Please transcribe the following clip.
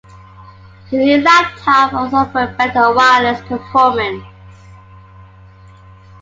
The new laptop also offered better wireless performance.